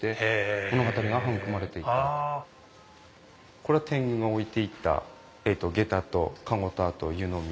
これは天狗が置いていったげたと籠とあと湯飲み。